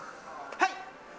はい！